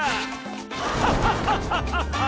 ハハハハハ！